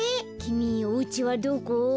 きみおうちはどこ？